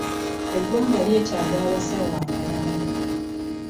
Eggwanga lyeetaaga abasawo abalala.